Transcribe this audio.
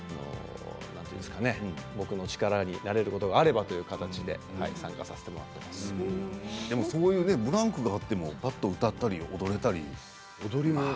僕が力になれることであればという感じでブランクがあってもバックで歌ったり踊れたり。